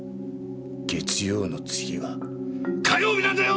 月曜の次は火曜日なんだよ！